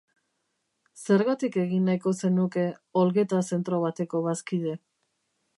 Zergatik egin nahiko zenuke olgeta zentro bateko bazkide?